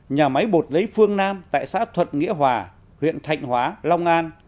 nhà máy bột giấy phương nam tại xã thuận nghĩa hòa huyện thạnh hóa long an